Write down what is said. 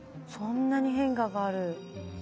そんなに変化がある。